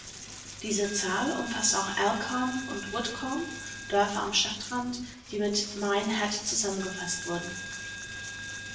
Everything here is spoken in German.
Diese Zahl umfasst auch Alcombe und Woodcombe, Dörfer am Stadtrand, die mit Minehead zusammengefasst wurden.